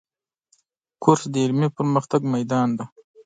کورس د علمي پرمختګ میدان دی.